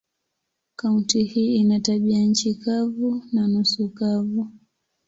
Kaunti hii ina tabianchi kavu na nusu kavu.